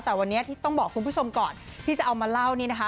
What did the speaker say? แต่วันนี้ที่ต้องบอกคุณผู้ชมก่อนที่จะเอามาเล่านี่นะคะ